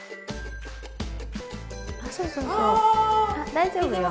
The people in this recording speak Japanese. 大丈夫よ。